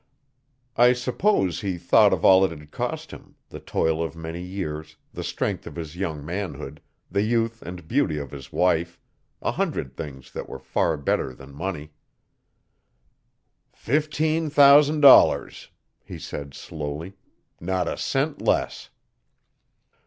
I suppose he thought of all it had cost him the toil of many years, the strength of his young manhood, the youth and beauty of his wife, a hundred things that were far better than money. 'Fifteen thousan' dollars,' he said slowly 'not a cent less.'